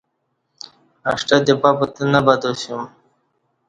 اݜٹتے پہ پاتہ نہ باتاسی۔